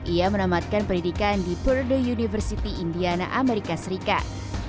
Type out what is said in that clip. ia menamatkan pendidikan di purda university indiana amerika serikat